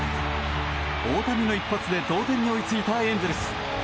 大谷の一発で同点に追いついたエンゼルス。